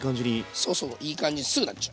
そうそういい感じにすぐなっちゃう。